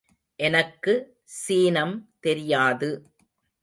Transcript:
எனக்கு சீனம் தெரியாது.